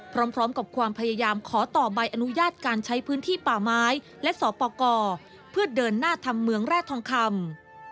พร้อมกับความพยายามขอต่อใบอนุญาตการใช้พื้นที่ป่าไม้และสปกรเพื่อเดินหน้าทำเมืองแร่ทองคำ